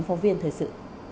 phóng viên thời sự